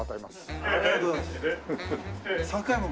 ありがとうございます。